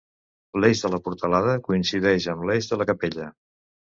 L'eix de la portalada coincideix amb l'eix de la capella.